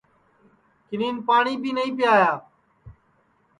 کِنین پاٹؔی بی نائی پیایا